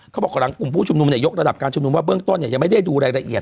เขาบอกหลังกลุ่มผู้ชุมนุมเนี่ยยกระดับการชุมนุมว่าเบื้องต้นยังไม่ได้ดูรายละเอียด